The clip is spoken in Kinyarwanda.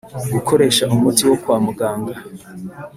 gukoresha umuti wo kwa muganga